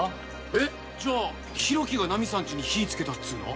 えっじゃあ浩喜がナミさんちに火つけたっつうの？